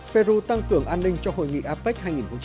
peru tăng cường an ninh cho hội nghị apec hai nghìn một mươi sáu